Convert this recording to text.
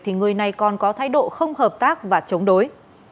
thì người này còn có thái độ không hợp tác và chống đối